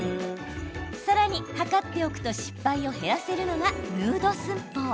さらに、測っておくと失敗を減らせるのがヌード寸法。